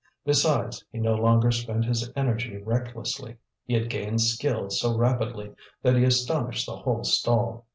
Besides, he no longer spent his energy recklessly; he had gained skill so rapidly that he astonished the whole stall.